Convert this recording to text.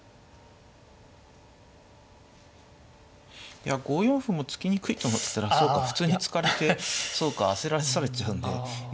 いや５四歩も突きにくいと思ってたらそうか普通に突かれてそうか焦らされちゃうんでいや